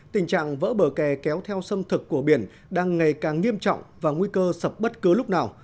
tình trạng vỡ bờ kè kéo theo sâm thực của biển đang ngày càng nghiêm trọng và nguy cơ sập bất cứ lúc nào